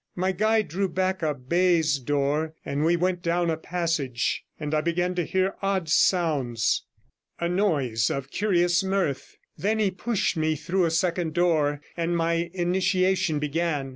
My guide drew back a baize door and we went down a passage, and I began to hear odd sounds, a noise of curious mirth; then he pushed me through a second door, and my initiation began.